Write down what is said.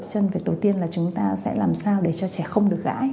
chân cái đầu tiên là chúng ta sẽ làm sao để cho trẻ không được gãi